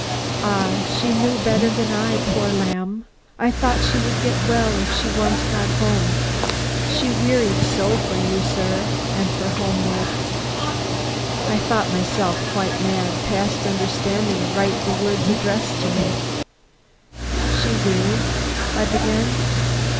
Ah, she knew better than I, poor lamb. I thought she would get well if she once got home. She wearied so for you, sir, and for Homewood!" I thought myself quite mad; past understanding aright the words addressed to me. "She wearied " I began.